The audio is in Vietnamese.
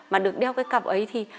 mà được đeo cái cặp ấy thì